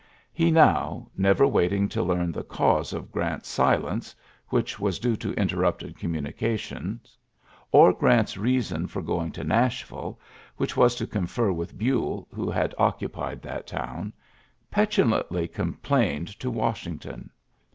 He now, never waiting to learn the cause of Grant's silence (which was due to in terrupted communications) or Grant's reason for going to Nashville (which was to confer with Buell, who had occupied ULYSSES S. GEANT 69 .t town), petulantly complained to ishington.